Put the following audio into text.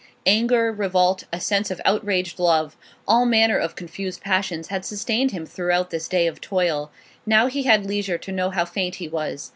Anger, revolt, a sense of outraged love all manner of confused passions had sustained him throughout this day of toil; now he had leisure to know how faint he was.